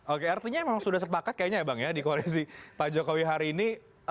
oke artinya memang sudah sepakat kayaknya ya bang ya di koalisi pak jokowi hari ini